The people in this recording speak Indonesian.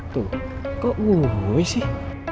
tuh kok gue sih